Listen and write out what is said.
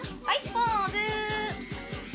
ポーズ。